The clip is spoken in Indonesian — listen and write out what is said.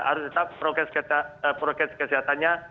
harus tetap prokes kesehatannya